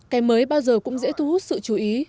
cái mới bao giờ cũng dễ thu hút sự chú ý